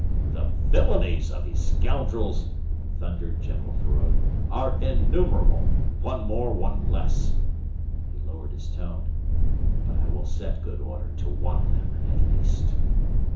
"The villainies of these scoundrels," thundered General Feraud, "are innumerable. One more, one less!..." He lowered his tone. "But I will set good order to one of them at least."